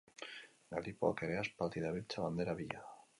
Galipoak ere aspaldi dabiltza bandera bila.